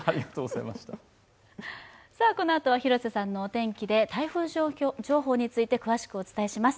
このあとは広瀬さんのお天気で台風情報について詳しくお伝えします。